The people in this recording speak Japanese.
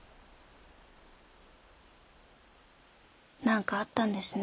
何かあったんですね？